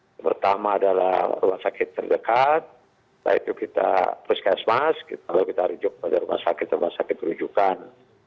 yang pertama adalah rumah sakit terdekat baik itu kita puskesmas lalu kita rujuk pada rumah sakit rumah sakit rujukan